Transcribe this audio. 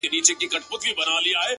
بيا وايم زه” يو داسې بله هم سته”